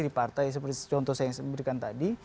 di partai seperti contoh saya yang memberikan tadi